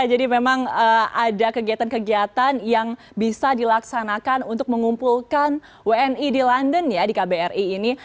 jadi memang ada kegiatan kegiatan yang bisa dilaksanakan untuk mengumpulkan wni di london ya di kbri ini